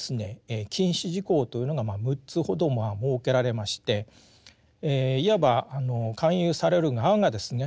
禁止事項というのが６つほど設けられましていわば勧誘される側がですね